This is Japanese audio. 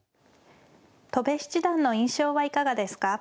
戸辺七段の印象はいかがですか。